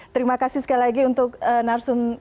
terima kasih sekali lagi untuk narsum